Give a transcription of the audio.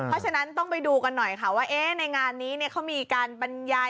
เพราะฉะนั้นต้องไปดูกันหน่อยค่ะว่าในงานนี้เขามีการบรรยาย